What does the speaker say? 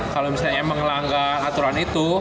kalau misalnya emang melanggar aturan itu